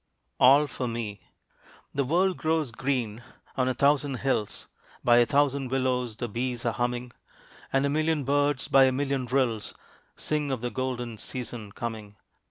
ALL FOR ME. The world grows green on a thousand hills By a thousand willows the bees are humming, And a million birds by a million rills, Sing of the golden season coming.